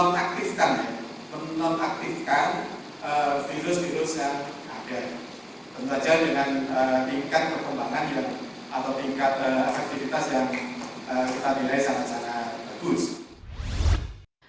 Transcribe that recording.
sama saja dengan tingkat perkembangan atau tingkat efektivitas yang kita milih sangat sangat bagus